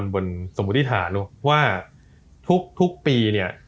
สมมุติฐานว่าทุกปีเนี่ย